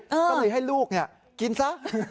ก็เลยให้ลูกกินซะ